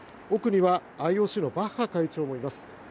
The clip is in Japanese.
奥にはＩＯＣのバッハ会長の姿もあります。